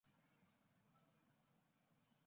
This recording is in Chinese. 乙沙尔墓地的历史年代为青铜时代。